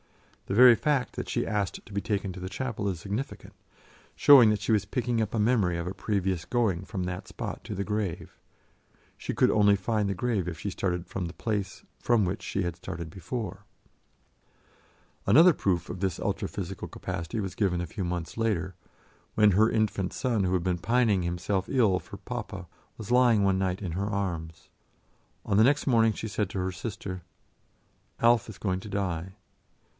The very fact that she asked to be taken to the chapel is significant, showing that she was picking up a memory of a previous going from that spot to the grave; she could only find the grave if she started from the place from which she had started before. Another proof of this ultra physical capacity was given a few months later, when her infant son, who had been pining himself ill for "papa," was lying one night in her arms. On the next morning she said to her sister: "Alf is going to die."